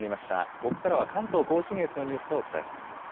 ここからは関東甲信越のニュースをお伝えします。